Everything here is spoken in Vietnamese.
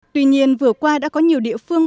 tuy nhiên vừa qua đã có nhiều địa phương